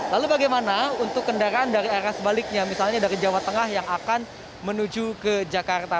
lalu bagaimana untuk kendaraan dari arah sebaliknya misalnya dari jawa tengah yang akan menuju ke jakarta